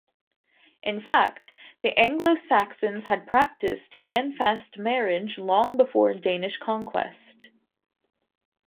In fact, the Anglo-Saxons had practiced hand-fast marriage long before Danish conquest.